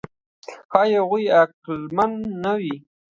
ښایي هغوی عقلمن نه وي.